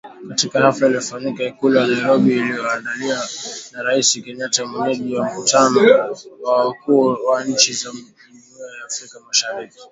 Katika hafla iliyofanyika Ikulu ya Nairobi iliyoandaliwa na Rais Kenyatta mwenyeji wa mkutano wa wakuu wa nchi za Jumuiya ya Afrika Mashariki.